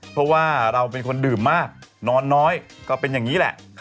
เขาก็ไปสังเกตกับรถอีแตก